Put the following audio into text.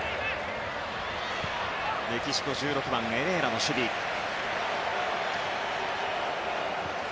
メキシコ、１６番エレーラの守備でした。